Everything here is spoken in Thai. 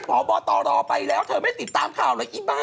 พอบอตอรอไปแล้วเธอไม่ติดตามข้าวแหละอีบ้า